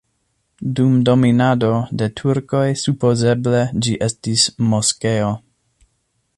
Dum dominado de turkoj supozeble ĝi estis moskeo.